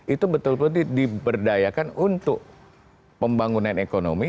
itu betul betul diberdayakan untuk pembangunan ekonomi